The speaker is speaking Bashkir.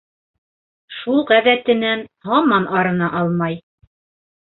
Шул ғәҙәтенән һаман арына алмай.